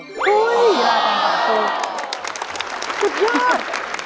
สุดยอด